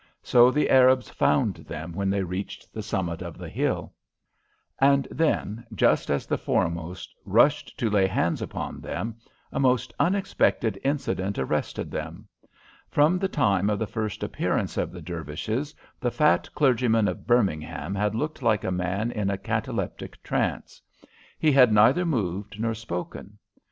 So the Arabs found them when they reached the summit of the hill. And then, just as the foremost rushed to lay hands upon them, a most unexpected incident arrested them. From the time of the first appearance of the Dervishes the fat clergyman of Birmingham had looked like a man in a cataleptic trance. He had neither moved nor spoken.